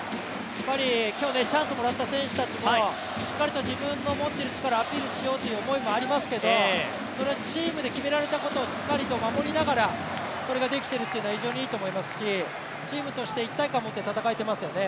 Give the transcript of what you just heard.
今日チャンスをもらった選手達もしっかりと自分の持っている力をアピールしようという思いもありますけど、チームで決められたことをしっかりと守りながらそれができているっていうのは非常にいいと思いますしチームとして一体感を持って戦えていますよね。